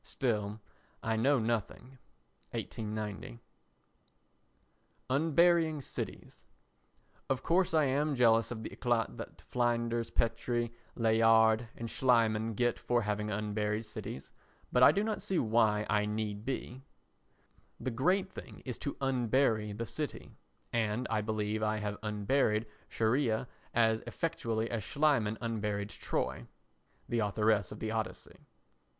Still, I know nothing. [1890.] Unburying Cities Of course I am jealous of the éclat that Flinders Petrie, Layard and Schliemann get for having unburied cities, but I do not see why I need be; the great thing is to unbury the city, and I believe I have unburied Scheria as effectually as Schliemann unburied Troy. [The Authoress of the Odyssey.